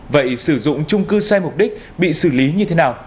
vậy sử dụng trung cư sai mục đích bị xử lý như thế nào